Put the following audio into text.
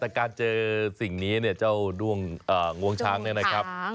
แต่การเจอสิ่งนี้เนี่ยเจ้าด้วงวงช้างเนี่ยนะครับ